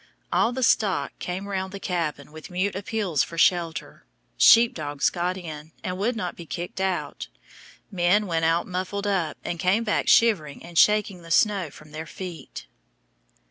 All the stock came round the cabin with mute appeals for shelter. Sheep dogs got in, and would not be kicked out. Men went out muffled up, and came back shivering and shaking the snow from their feet.